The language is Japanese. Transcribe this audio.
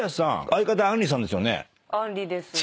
相方あんりさんですよね？